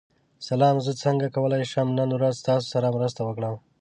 سلام، زه څنګه کولی شم نن ورځ ستاسو سره مرسته وکړم؟